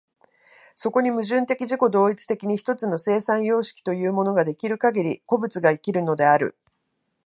そこに矛盾的自己同一的に一つの生産様式というものが出来るかぎり、個物が生きるのである。